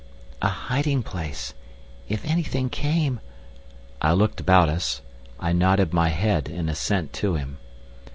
"A hiding place! If anything came..." I looked about us. I nodded my head in assent to him.